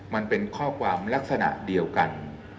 มันเป็นข้อความลักษณะเดียวกัน